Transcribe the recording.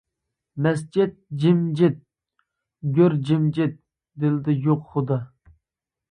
مەسچىت جىمجىت، گۆر جىمجىت، دىلدا يوق خۇدا.